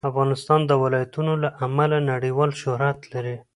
افغانستان د ولایتونو له امله نړیوال شهرت لري.